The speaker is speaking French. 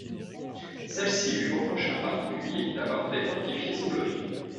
Celle-ci lui reprochait en particulier d'avoir fait fortifier son logis.